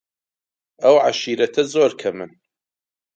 ئەو عەشیرەتە زۆر کەمن